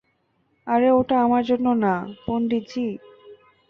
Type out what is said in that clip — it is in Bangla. আরে ওটা আমার জন্য না, পণ্ডিত জি!